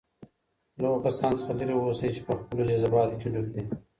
له هغو کسانو څخه لرې اوسئ چي په خپلو جذباتو کي ډوب دي.